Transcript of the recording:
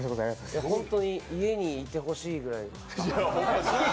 ホントに家にいてほしいぐらい。